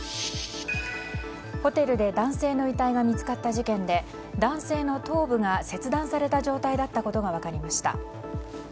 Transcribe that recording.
ホテルで男性の遺体が見つかった事件で男性の頭部が切断された状態だったことが分かりました。